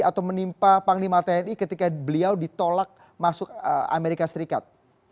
atau menimpa panglima tni ketika beliau ditolak masuk amerika serikat